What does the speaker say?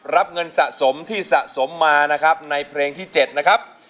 รับเงินสะสมที่สะสมมานะครับในเพลงที่๗นะครับ